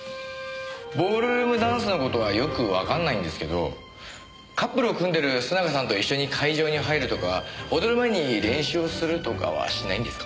ボールルームダンスの事はよくわかんないんですけどカップルを組んでる須永さんと一緒に会場に入るとか踊る前に練習をするとかはしないんですか？